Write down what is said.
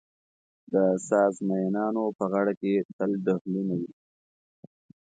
د ساز مېنانو په غاړه کې تل ډهلونه وي.